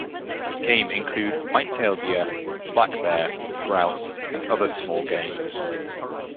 Game include white-tail deer, black bear, grouse, and other small game.